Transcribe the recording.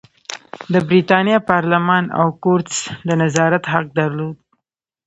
د برېتانیا پارلمان او کورتس د نظارت حق درلود.